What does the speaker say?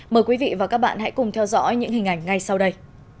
mời quý vị và các bạn hãy cùng theo dõi những hình ảnh ngay sau đây